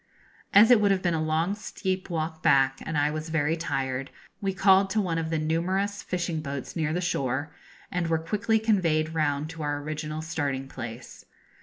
As it would have been a long steep walk back, and I was very tired, we called to one of the numerous fishing boats near the shore, and were quickly conveyed round to our original starting place.